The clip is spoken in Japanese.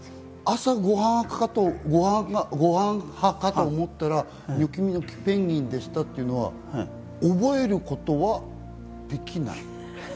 その文字は朝はごはん派かと思ったら、ニョキニョキペンギンでしたっていうのは、覚えることはできない？